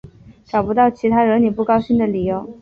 找不到其他惹你不高兴的理由